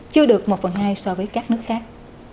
chưa được một phần hai so với các nước khác